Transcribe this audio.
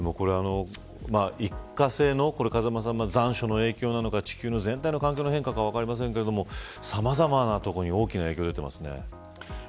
一過性の残暑の影響なのか地球全体の環境の変化なのか分かりませんがさまざまなところに大きな影響が出ていますね。